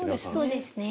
そうですね。